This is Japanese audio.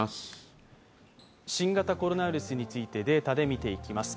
新型コロナウイルスについてデータで見ていきます。